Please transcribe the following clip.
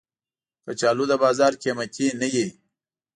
کچالو د بازار قېمتي نه وي